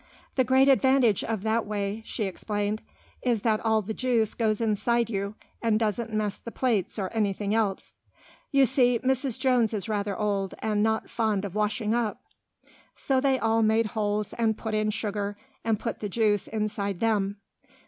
"The great advantage of that way," she explained, "is that all the juice goes inside you, and doesn't mess the plates or anything else. You see, Mrs. Jones is rather old, and not fond of washing up." So they all made holes and put in sugar, and put the juice inside them.